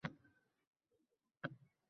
Maktab yo‘lida duch kelgan